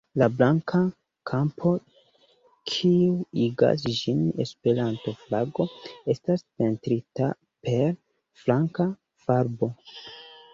La blanka kampo, kiuj igas ĝin Esperanto-flago, estas pentrita per blanka farbo.